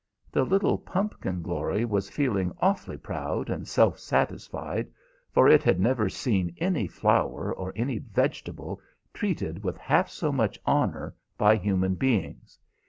The little pumpkin glory was feeling awfully proud and self satisfied; for it had never seen any flower or any vegetable treated with half so much honor by human beings.